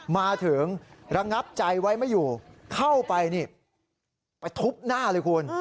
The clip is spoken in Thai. มาถึงระงับใจไว้ไม่อยู่เข้าไปนี่ไปทุบหน้าเลยคุณ